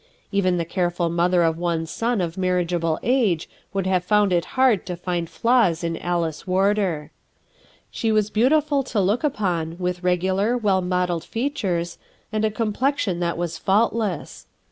Even the careful mother of one son of marriageable age would THE OLD CAT! 57 have found it hard to find flaws in Alice Warder. She was beautiful to look upon, with regular, well modelled features and a complexion that was faultless.